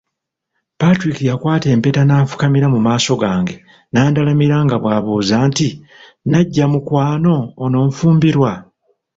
Patrick yakwata empeta n'afukamira mu maaso gange n'andalamira nga bw'ambuuza nti, "Nnajja mukwano, onanfumbirwa?